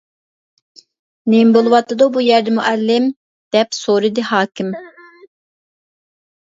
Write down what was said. -نېمە بولۇۋاتىدۇ بۇ يەردە، مۇئەللىم؟ -دەپ سورىدى ھاكىم.